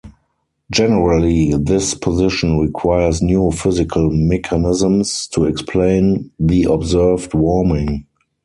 Generally this position requires new physical mechanisms to explain the observed warming.